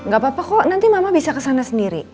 gak apa apa kok nanti mama bisa kesana sendiri